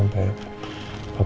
maksudnya oke mama mengerti